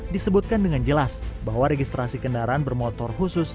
disebutkan dengan jelas bahwa registrasi kendaraan bermotor khusus